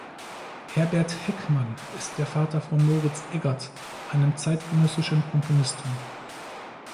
Herbert Heckmann ist der Vater von Moritz Eggert, einem zeitgenössischen Komponisten.